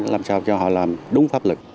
làm sao cho họ làm đúng pháp lực